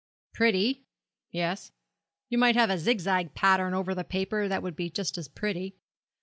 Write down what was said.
'Pretty, yes; you might have a zigzag pattern over the paper that would be just as pretty.